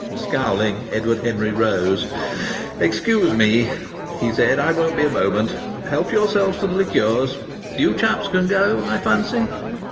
Scowling, Edward Henry rose. "Excuse me," he said. "I won't be a moment. Help yourselves to the liqueurs. You chaps can go, I fancy."